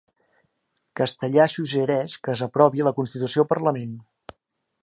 Castellà suggereix que s'aprovi la constitució al parlament